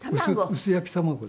薄焼き卵で。